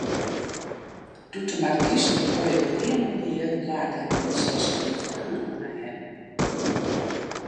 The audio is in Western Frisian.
Doe't de markys de moaie klean oanhie, lake de prinses heel freonlik nei him.